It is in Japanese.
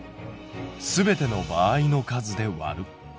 すべての場合の数でわる。